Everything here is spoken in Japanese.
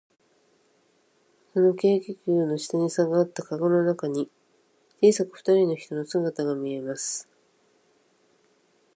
その軽気球の下にさがったかごの中に、小さくふたりの人の姿がみえます。黒い背広の二十面相と、白い上着のコックです。